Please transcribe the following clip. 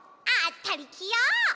あたりきよ！